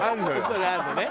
それあんのね